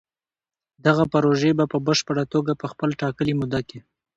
دغه پروژې به په پشپړه توګه په خپله ټاکلې موده کې